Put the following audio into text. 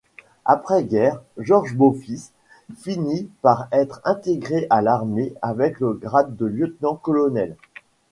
Après-guerre, Georges Beaufils finit par être intégré à l'armée avec le grade de lieutenant-colonel.